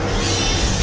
aku akan menghina kau